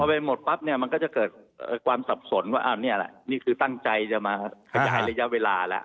พอไปหมดปั๊บเนี่ยมันก็จะเกิดความสับสนว่านี่แหละนี่คือตั้งใจจะมาขยายระยะเวลาแล้ว